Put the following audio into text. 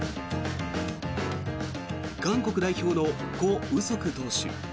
韓国代表のコ・ウソク投手。